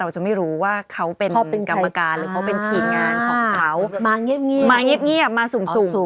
จะไม่รู้ว่าเขาเป็นกรรมการหรือเขาเป็นทีมงานของเขามาเงียบมาสุ่ม